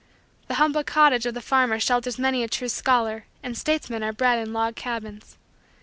The humble cottage of the farmer shelters many a true scholar and statesmen are bred in log cabins.